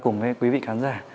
cùng với quý vị khán giả